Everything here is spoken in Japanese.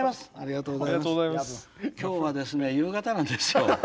今日はですね夕方なんですよ。